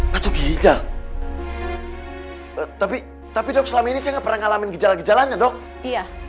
batu ginjal tapi tapi dok selama ini saya pernah ngalamin gejala gejalanya dok iya